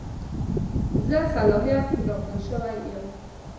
زه صلاحیت راکړه شوی یم.